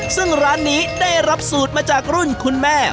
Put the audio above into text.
ซึ่งร้านนี้ได้รับสูตรมาจากรุ่นคุณแม่